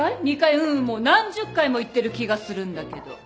ううんもう何十回も言ってる気がするんだけど